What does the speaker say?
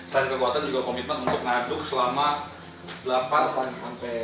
saya dan kekuatan juga komitmen untuk mengaduk selama tujuh delapan jam